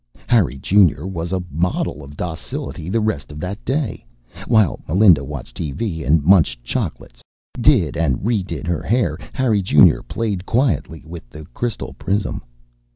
Harry Junior was a model of docility the rest of that day. While Melinda watched TV and munched chocolates, did and re did her hair, Harry Junior played quietly with the crystal prism.